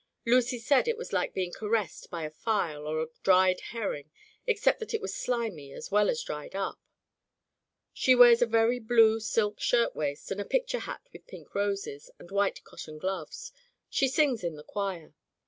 Lucy said it was like being caressed by a file or a dried herring, except that it was slimy as well as dried up. "She wears a very blue silk shirt waist, and a picture hat widi pink roses, and white cotton gloves, and sings in the choir.